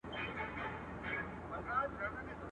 پر ښار ختلې د بلا ساه ده.